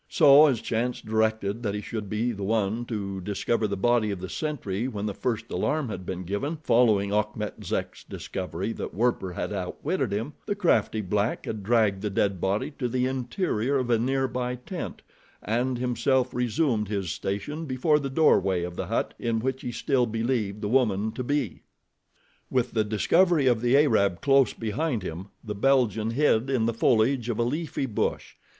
So, as chance directed that he should be the one to discover the body of the sentry when the first alarm had been given following Achmet Zek's discovery that Werper had outwitted him, the crafty black had dragged the dead body to the interior of a nearby tent, and himself resumed his station before the doorway of the hut in which he still believed the woman to be. With the discovery of the Arab close behind him, the Belgian hid in the foliage of a leafy bush.